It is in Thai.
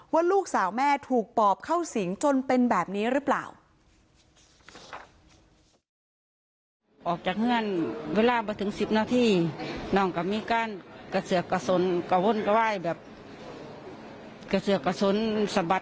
ว่าลูกสาวแม่ถูกปอบเข้าสิงจนเป็นแบบนี้หรือเปล่า